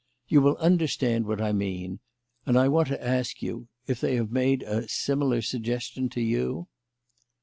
You will understand what I mean; and I want to ask you if if they have made a similar suggestion to you."